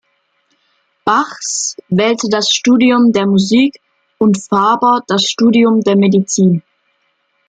Bachs, wählte das Studium der Musik und Faber das Studium der Medizin.